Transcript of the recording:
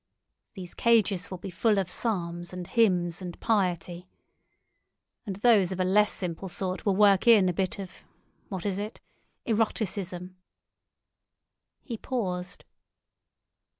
These cages will be full of psalms and hymns and piety. And those of a less simple sort will work in a bit of—what is it?—eroticism." He paused.